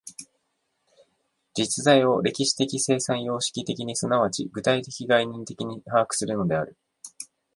実在を歴史的生産様式的に即ち具体概念的に把握するのである。